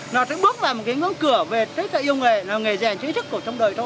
nó sẽ bước vào một cái ngưỡng cửa về tích thợ yêu nghề là nghề rèn chế thức của trong đời thôi